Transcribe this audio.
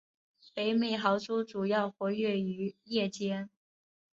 北美豪猪主要活跃于夜间。